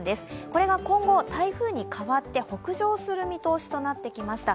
これが今後台風に変わって北上する見通しとなってきました。